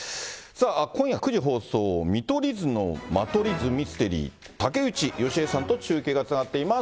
今夜９時放送、見取り図の間取り図ミステリー、竹内由恵さんと中継がつながっています。